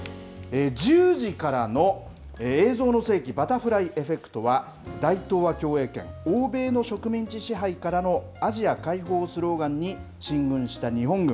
１０時からの映像の世紀バタフライエフェクトは、大東亜共栄圏、欧米の植民地支配からのアジア解放をスローガンに、進軍した日本軍。